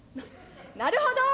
なるほど！